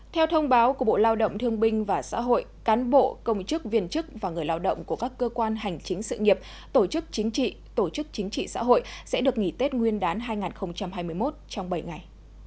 theo thông báo của bộ lao động thương binh và xã hội cán bộ công chức viên chức và người lao động của các cơ quan hành chính sự nghiệp tổ chức chính trị tổ chức chính trị xã hội sẽ được nghỉ tết nguyên đán hai nghìn hai mươi một trong bảy ngày